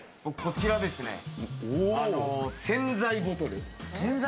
こちらですね。